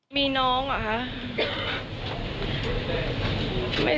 มีน้องเหรอคะ